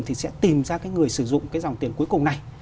thì sẽ tìm ra người sử dụng dòng tiền cuối cùng này